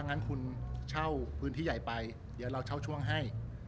งั้นคุณเช่าพื้นที่ใหญ่ไปเดี๋ยวเราเช่าช่วงให้